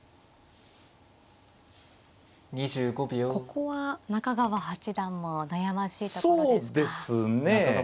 ここは中川八段も悩ましいところですか。